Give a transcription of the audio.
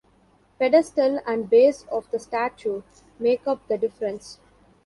Pedestal and base of the statue make up the difference.